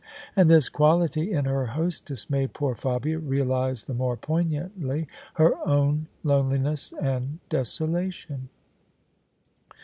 And this quality in her hostess made poor Fabia realise the more poignantly her own loneliness and desolation.